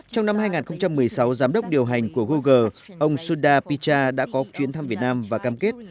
trong năm hai nghìn một mươi sáu giám đốc điều hành của google ông suda picha đã có chuyến thăm việt nam và cam kết